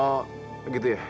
oh gitu ya